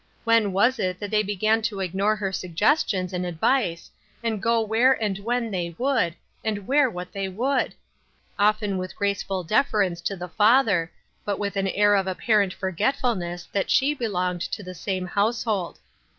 When was it that they began to ignore her suggestions and advice, and go where and when they would, and wear what they would ? Often with graceful def erence to the father, but with an air of apparent forgetfulness that she belonged to the same house hold.